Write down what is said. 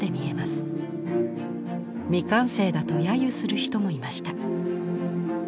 未完成だとやゆする人もいました。